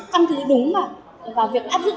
căn cứ đúng vào việc áp dụng